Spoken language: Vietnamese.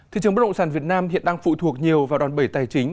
thị trường bất động sản việt nam hiện đang phụ thuộc nhiều vào đòn bẩy tài chính